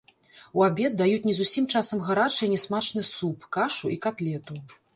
У абед даюць не зусім часам гарачы і нясмачны суп, кашу і катлету.